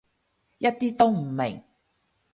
一啲都唔明